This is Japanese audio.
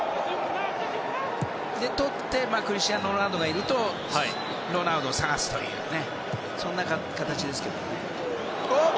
取ってクリスティアーノ・ロナウドがいるとロナウドを探すという形ですけどね。